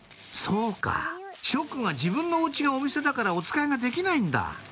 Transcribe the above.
そうかショウくんは自分のお家がお店だからおつかいができないんだ